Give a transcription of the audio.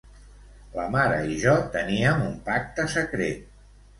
La mare i jo teníem un pacte secret.